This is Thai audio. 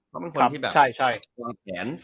เขาเป็นคนที่แบบใช่ใช่